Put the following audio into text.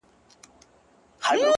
بس ده د خداى لپاره زړه مي مه خوره!